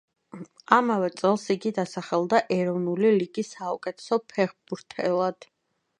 ამავე წელს იგი დასახელდა ეროვნული ლიგის საუკეთესო ფეხბურთელად.